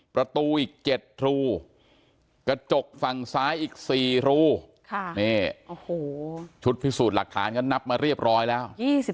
ประตูอีก๗รูกระจกฝั่งซ้ายอีก๔รูชุดพิสูจน์หลักฐานก็นับมาเรียบร้อยแล้ว